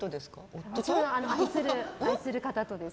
もちろん愛する方とです。